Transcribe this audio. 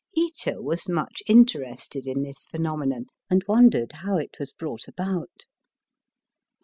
Ito was much interested in this phenomenon, and wondered how it was brought about.